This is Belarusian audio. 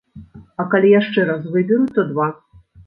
А калі яшчэ раз выберуць, то два.